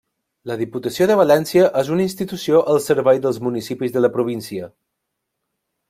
La Diputació de València és una institució al servei dels municipis de la província.